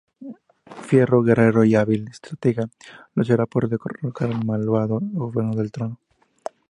Fiero guerrero y hábil estratega, luchará por derrocar al malvado gobernador del trono.